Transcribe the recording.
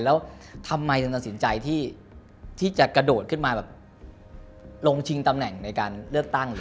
แล้วทำไมถึงตัดสินใจที่จะกระโดดขึ้นมาแบบลงชิงตำแหน่งในการเลือกตั้ง